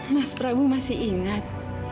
mas prabu masih ingat